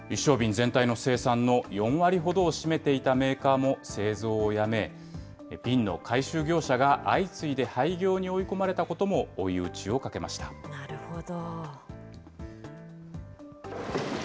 一升瓶全体の生産の４割ほどを占めていたメーカーも製造をやめ、瓶の回収業者が相次いで廃業に追い込まれたことも追い打ちをなるほど。